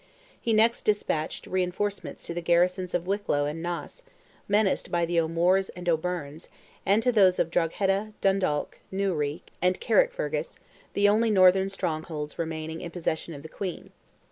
He next despatched reinforcements to the garrisons of Wicklow and Naas, menaced by the O'Moores and O'Byrnes, and to those of Drogheda, Dundalk, Newry, and Carrickfergus, the only northern strongholds remaining in possession of the Queen.